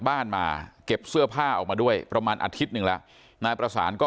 บ้านมาเก็บเสื้อผ้าออกมาด้วยประมาณอาทิตย์หนึ่งแล้วนายประสานก็